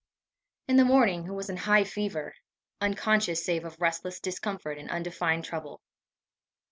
In the morning he was in a high fever unconscious save of restless discomfort and undefined trouble.